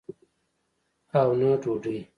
او نه ډوډۍ.